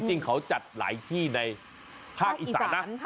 จริงเขาจัดหลายที่ในภาคอีสานนะ